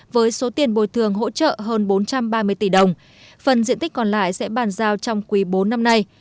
với số tiền bồi thường hỗ trợ hơn bốn trăm ba mươi tỷ đồng phần diện tích còn lại sẽ bàn giao trong quý bốn năm nay